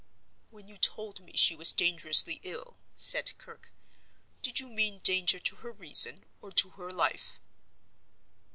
"When you told me she was dangerously ill," said Kirke, "did you mean danger to her reason or to her life?"